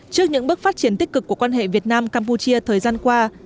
trước những bước phát triển tích cực của quan hệ việt nam campuchia thời gian qua